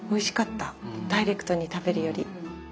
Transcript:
ダイレクトに食べるより。